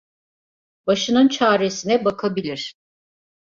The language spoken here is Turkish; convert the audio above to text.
Başının çaresine bakabilir.